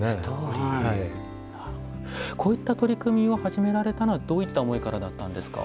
こういった取り組みを始められたのはどういった思いからだったんですか？